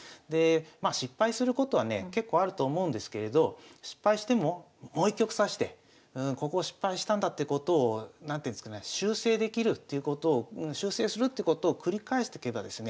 まあ失敗することはね結構あると思うんですけれど失敗してももう一局指してここを失敗したんだってことを何ていうんですかね修正できるっていうことを修正するってことを繰り返してけばですね